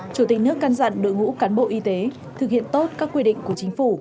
chủ tịch nước căn dặn đội ngũ cán bộ y tế thực hiện tốt các quy định của chính phủ